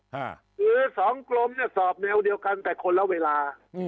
หรือ๒กลมสอบแนวเดียวกันแต่คนละเวลา